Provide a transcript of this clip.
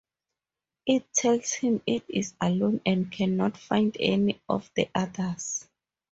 It tells him it is alone and cannot find any of the others.